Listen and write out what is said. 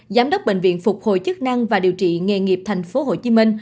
giám đốc bệnh viện phục hồi chức năng và điều trị nghề nghiệp tp hcm